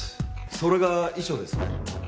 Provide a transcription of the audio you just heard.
それが遺書ですね。